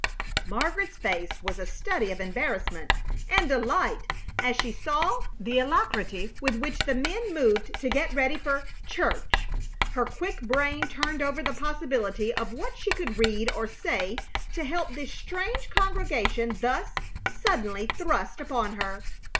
Margaret's face was a study of embarrassment and delight as she saw the alacrity with which the men moved to get ready for "church." Her quick brain turned over the possibility of what she could read or say to help this strange congregation thus suddenly thrust upon her.